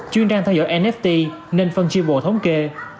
chuyên trang theo dõi nft nên phân chiên bộ thống kê